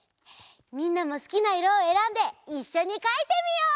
みんなもすきないろをえらんでいっしょにかいてみよう！